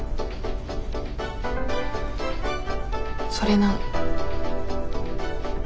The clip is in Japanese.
それなの。